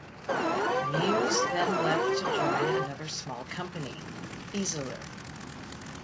Mewes then left to join another small company, Fieseler.